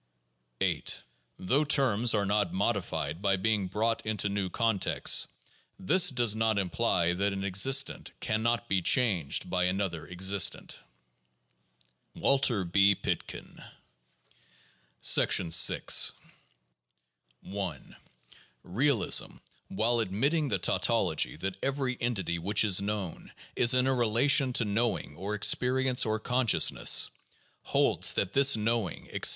8. Though terms are not modified by being brought into new contexts, this does not imply that an existent can not be changed by another existent. Walter B. Pitkin. VI 1. Realism, while admitting the tautology that every entity which is known is in relation to knowing or experience or consciousness, holds that this knowing, etc.